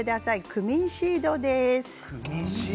クミンシードです。